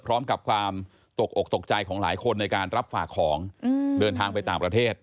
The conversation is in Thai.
พร้อมกับความตกอกตกใจของหลายคนในการรับฝากของเดินทางไปต่างประเทศ